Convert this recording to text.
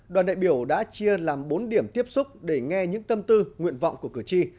đoàn đại biểu đã chia làm bốn điểm tiếp xúc để nghe những tâm tư nguyện vọng của cử tri